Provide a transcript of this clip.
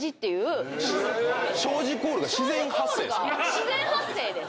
自然発生です。